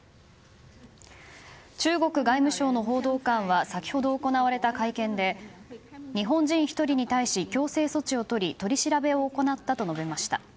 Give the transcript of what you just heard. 中国外務省の報道官は先ほど行われた会見で日本人１人に対し強制措置をとり取り調べを行ったと述べました。